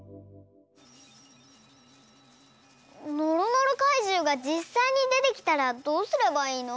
のろのろかいじゅうがじっさいにでてきたらどうすればいいの？